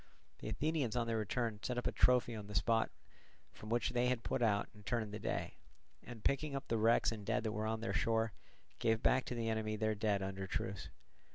The Athenians on their return set up a trophy on the spot from which they had put out and turned the day, and picking up the wrecks and dead that were on their shore, gave back to the enemy their dead under truce.